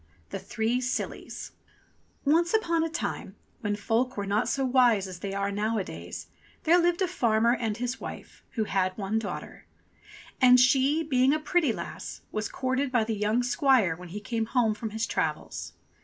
THE THREE SILLIES ONCE upon a time, when folk were not so wise as they are nowadays, there Hved a farmer and his wife who had one daughter. And she, being a pretty lass, was courted by the young squire when he came home from his travels.